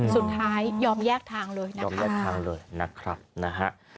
สุดท้ายยอมแยกทางเลยนะยอมแยกทางเลยนะครับนะฮะ